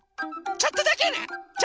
ちょっとだけね。